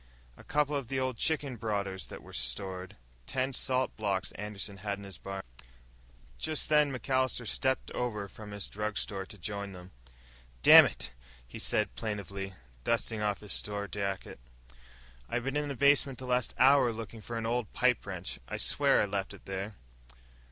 A couple of old chicken brooders that was stored. Ten salt blocks Anderson had in his barn." Just then MacAllister stepped over from his drugstore to join them. "Dammit," he said plaintively, dusting off his store jacket, "I been in the basement the last hour looking for an old pipe wrench. I swear I left it there!"